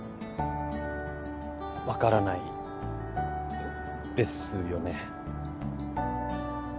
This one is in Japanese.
わからないですよね。